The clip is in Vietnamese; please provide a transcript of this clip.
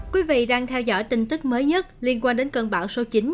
các bạn đang theo dõi tin tức mới nhất liên quan đến cơn bão số chín